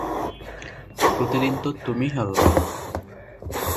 প্রতিদিন তো তুমি হারো।